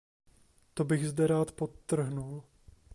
To bych zde rád podtrhnul.